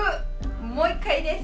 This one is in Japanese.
もう一回です！